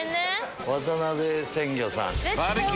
渡辺鮮魚さん。